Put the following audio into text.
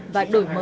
và đổi mới